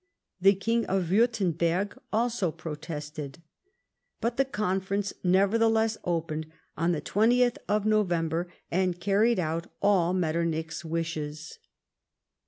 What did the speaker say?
The King of Wiirtemberg also protested. But the Conference never theless opened on the 20th of November, and carried out all Mettcrnich's wishes.